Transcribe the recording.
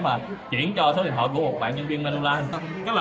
mà chuyển cho số lịch hỏa của một bạn nhân viên menolite